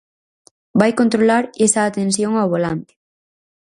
Vai controlar esa atención ao volante.